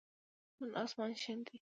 نن آسمان شین دی